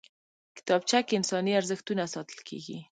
کتابچه کې انساني ارزښتونه ساتل کېږي